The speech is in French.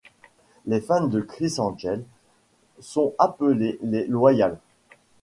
Les fans de Criss Angel sont appelés les Loyals.